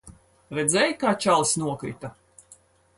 Redzēji, kā čalis nokrita?